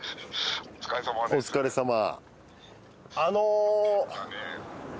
お疲れさま。